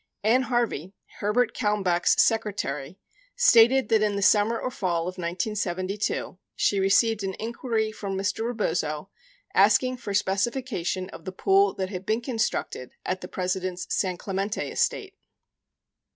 Ann Harvey, Herbert Kalmbach's secretary, stated that in the summer or fall of 1972, she received an inquiry from Mr. Rebozo asking for specification of the pool that had been constructed at the President's San Clemente estate.